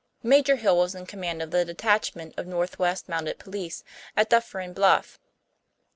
Major Hill was in command of the detachment of Northwest Mounted Police at Dufferin Bluff.